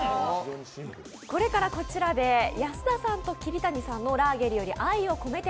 これからこちらで安田さんと桐谷さんの「ラーゲリより愛を込めて」